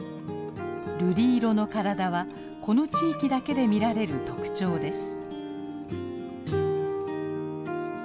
瑠璃色の体はこの地域だけで見られる特徴です。